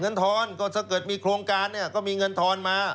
ทอนก็ถ้าเกิดมีโครงการเนี่ยก็มีเงินทอนมา